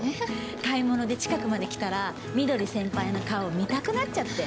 買い物で近くまで来たら翠先輩の顔、見たくなっちゃって。